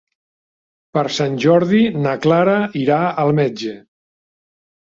Per Sant Jordi na Clara irà al metge.